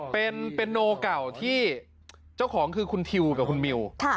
เป็นโนเก่าที่เจ้าของคือคุณทิวกับคุณมิว